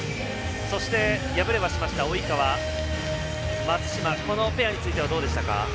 そして、敗れはしました及川、松島、このペアについてはどうでしたか？